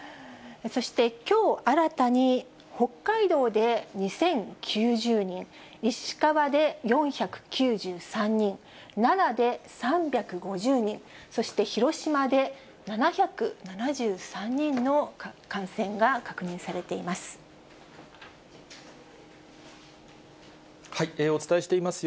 そして、きょう新たに北海道で２０９０人、石川で４９３人、奈良で３５０人、そして広島で７７３人の感染が確認されています。